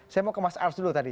saya mau ke mas ars dulu tadi